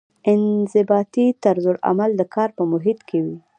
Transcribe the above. انضباطي طرزالعمل د کار په محیط کې وي.